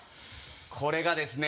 これがですね